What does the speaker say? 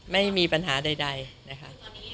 ไม่มีปัญหาใดนะคะ